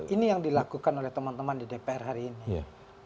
ini yang dilakukan oleh teman teman di dpr hari ini